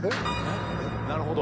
なるほど。